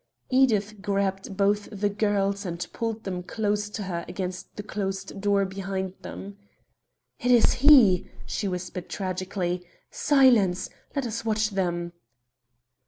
Edith grabbed both the girls, and pulled them close to her against the closed door behind them. "It is he!" she whispered tragically. "Silence! Let us watch them!"